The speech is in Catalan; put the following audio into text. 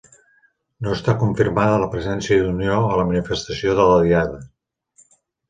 No està confirmada la presència d'Unió a la manifestació de la Diada